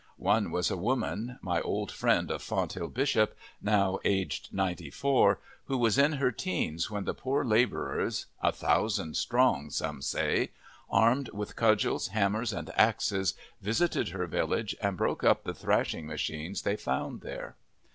One was a woman, my old friend of Fonthill Bishop, now aged ninety four, who was in her teens when the poor labourers, "a thousand strong," some say, armed with cudgels, hammers, and axes, visited her village and broke up the thrashing machines they found there.